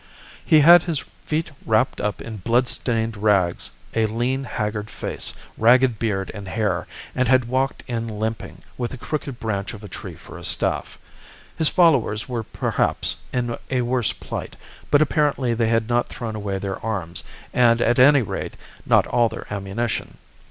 "He had his feet wrapped up in blood stained rags, a lean, haggard face, ragged beard and hair, and had walked in limping, with a crooked branch of a tree for a staff. His followers were perhaps in a worse plight, but apparently they had not thrown away their arms, and, at any rate, not all their ammunition.